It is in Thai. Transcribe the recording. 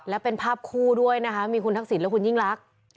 และเป็นภาพคู่ด้วยนะคะมีคุณทักษิณและคุณยิ่งลักษณ์